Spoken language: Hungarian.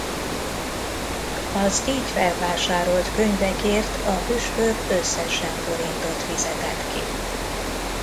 Az így felvásárolt könyvekért a püspök összesen forintot fizetett ki.